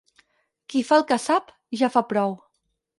Qui fa el que sap, ja fa prou.